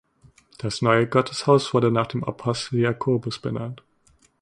Das neue Gotteshaus wurde nach dem Apostel Jakobus benannt.